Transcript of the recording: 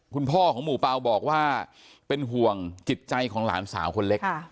คุณพ่อของหมู่เปล่าบอกว่าเป็นห่วงจิตใจของหลานสาวคนเล็ก